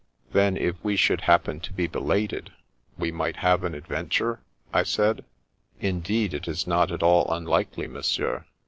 " Then, if we should happen to be belated, we might have an adventure ?" I said. " Indeed, it is not at all unlikely. Monsieur.